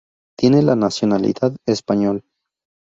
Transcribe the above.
Tiene la nacionalidad español.